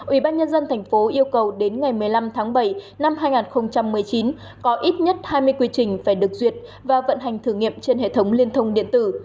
ủy ban nhân dân thành phố yêu cầu đến ngày một mươi năm tháng bảy năm hai nghìn một mươi chín có ít nhất hai mươi quy trình phải được duyệt và vận hành thử nghiệm trên hệ thống liên thông điện tử